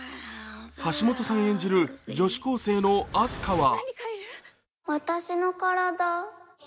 橋本さん演じる女子高生の明日香は。